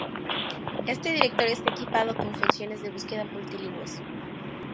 Este directorio está equipado con funciones de búsqueda multilingües.